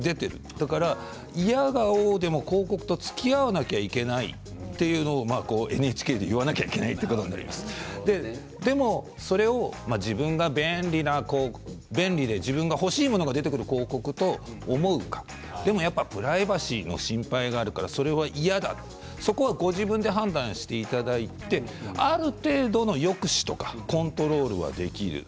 だから、いやがおうでも広告はつきあわなくてはいけないということをＮＨＫで言わなくてはいけないことなんですけどでもそれを自分が便利な広告自分の欲しいものが出てくる広告と思うかやっぱりプライバシーも心配だからそれは嫌だと、それはご自分で判断していただいてある程度の抑止とかコントロールはできます。